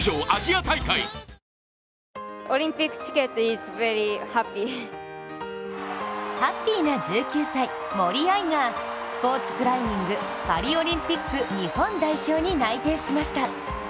ひろうって偉大だなハッピーな１９歳・森秋彩がスポーツクライミングパリオリンピック日本代表に内定しました。